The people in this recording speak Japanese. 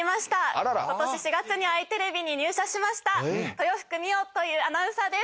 あらら今年４月にあいテレビに入社しました豊福海央というアナウンサーです